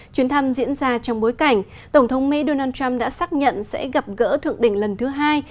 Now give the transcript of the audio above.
chuyến thăm diễn ra trong bối cảnh tổng thống mỹ donald trump đã xác nhận sẽ gặp gỡ thượng đỉnh lần thứ hai